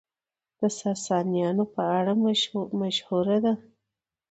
د ساسانيانو په اړه مشهوره ده،